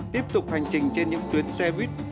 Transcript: tiếp tục hành trình trên những tuyến xe buýt